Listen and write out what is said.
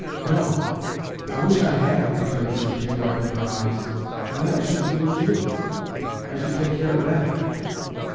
"No; I wish I had!" returned Sepia, wiping her eyes. "Then I shouldn't lose you. I should take care of that."